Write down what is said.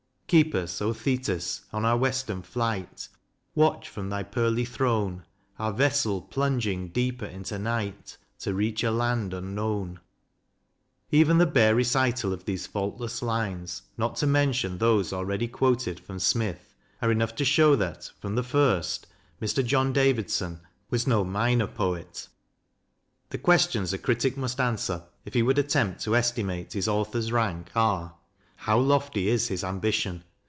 Keep us, O Thetis, on our Western flight, Watch from thy pearly throne Our vessel, plunging deeper into night To reach a land unknown. Even the bare recital of these faultless lines, not to mention those already quoted from " Smith," are enough to show that, from the first, Mr. John Davidson was no minor poet. The questions a critic must answer, if he would attempt to estimate his Author's rank, are How lofty is his ambition?